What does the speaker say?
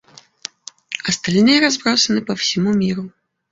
Остальные разбросаны по всему миру.